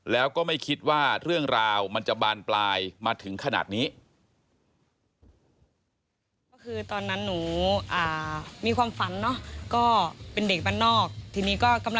แล้วก็ไม่คิดว่าเรื่องราวมันจะบานปลายมาถึงขนาดนี้